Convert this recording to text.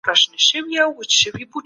فساد کول د ټولني د پرمختګ خنډ دی.